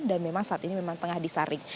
dan memang saat ini memang tengah disaring